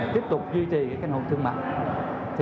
tiếp tục duy trì căn hộ thương mại